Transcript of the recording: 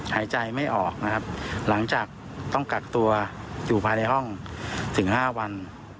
หายใจไม่ออกนะครับหลังจากต้องกักตัวอยู่ภายในห้องถึง๕วัน